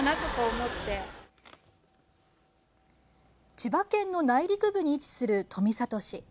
千葉県の内陸部に位置する富里市。